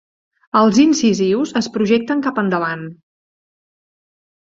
Els incisius es projecten cap endavant.